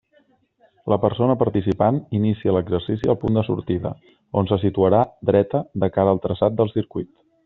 La persona participant inicia l'exercici al punt de sortida, on se situarà dreta, de cara al traçat del circuit.